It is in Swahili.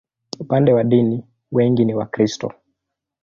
Upande wa dini, wengi ni Wakristo.